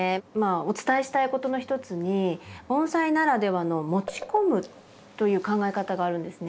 お伝えしたいことのひとつに盆栽ならではの「持ち込む」という考え方があるんですね。